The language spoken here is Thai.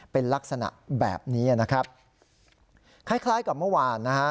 เป็นลักษณะแบบนี้นะครับคล้ายคล้ายกับเมื่อวานนะฮะ